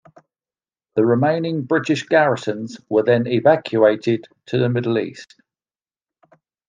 The remaining British garrisons were then evacuated to the Middle East.